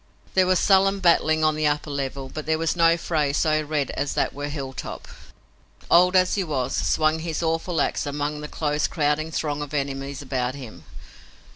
There was sullen battling on the upper level, but there was no fray so red as that where Hilltop, old as he was, swung his awful ax among the close crowding throng of enemies about him.